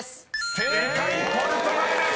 「ポルトガル」です！